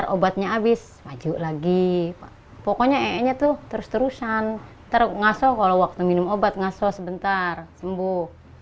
obatnya habis maju lagi pokoknya tuh terus terusan ngaso kalau waktu minum obat ngasoh sebentar sembuh